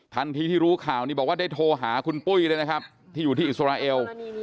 ที่รู้ข่าวนี้บอกว่าได้โทรหาคุณปุ้ยเลยนะครับที่อยู่ที่อิสราเอล